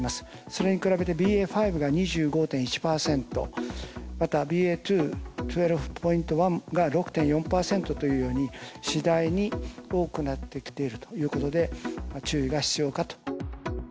それに比べてＢＡ．５が２５．１％、また、ＢＡ．２．１２．１が６．４％というように、次第に多くなってきているということで、注意が必要かと。